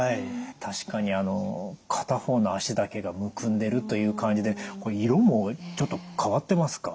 確かに片方の脚だけがむくんでるという感じでこれ色もちょっと変わってますか？